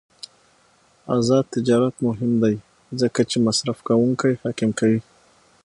آزاد تجارت مهم دی ځکه چې مصرفکونکي حاکم کوي.